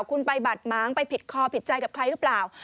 คุณไปบัดม้างไปผิดคอผิดใจกับใครหรือเปล่า